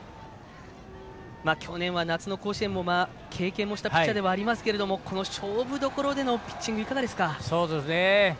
去年は夏の甲子園も経験もしたピッチャーではありますけれどもこの勝負どころのピッチングいかがですか？